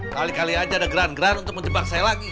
kali kali aja ada grand grand untuk menjebak saya lagi